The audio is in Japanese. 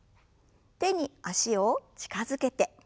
手に脚を近づけて。